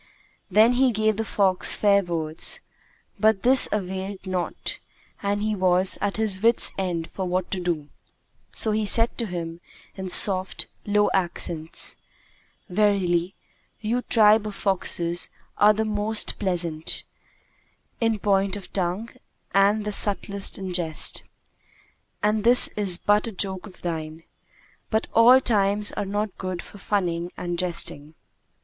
Then he gave the fox fair words, but this availed naught and he was at his wits' end for what to do; so he said to him in soft, low accents, "Verily, you tribe of foxes are the most pleasant people in point of tongue and the subtlest in jest, and this is but a joke of thine; but all times are not good for funning and jesting."